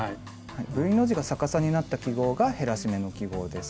Ｖの字が逆さになった記号が減らし目の記号です。